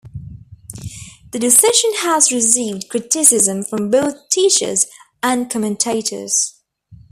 The decision has received criticism from both teachers and commentators.